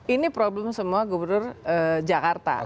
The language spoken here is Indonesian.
ini problem semua gubernur jakarta